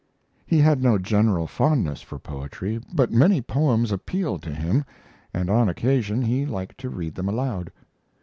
He had no general fondness for poetry; but many poems appealed to him, and on occasion he liked to read them aloud.